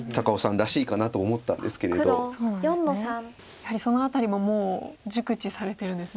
やはりそのあたりももう熟知されてるんですね。